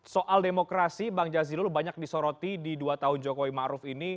soal demokrasi bang jazilul banyak disoroti di dua tahun jokowi ma'ruf